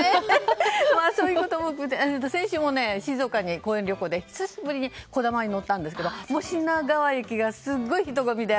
先週も静岡に講演旅行で久しぶりに「こだま」に乗ったんですけど品川駅がすごい人混みで。